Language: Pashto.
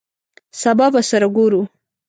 سبا به سره ګورو !